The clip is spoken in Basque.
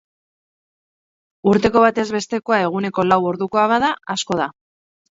Urteko batez bestekoa eguneko lau ordukoa bada, asko da.